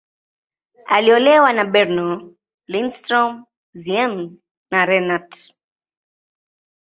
Aliolewa na Bernow, Lindström, Ziems, na Renat.